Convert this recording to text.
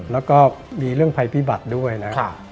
แล้วก็มีเรื่องภัยพิบัติด้วยนะครับ